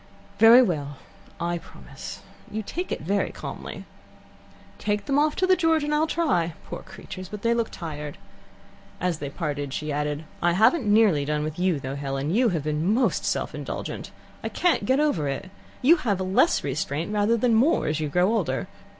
"Very well. I promise. You take it very calmly. " "Take them off to the George, then, and I'll try. Poor creatures! but they look tried." As they parted, she added: "I haven't nearly done with you, though, Helen. You have been most self indulgent. I can't get over it. You have less restraint rather than more as you grow older.